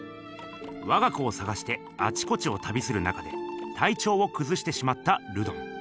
わが子を探してあちこちをたびする中でたいちょうをくずしてしまったルドン。